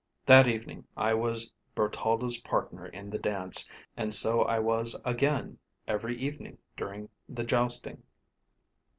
That evening I was Bertalda's partner in the dance, and so I was again every evening during the jousting."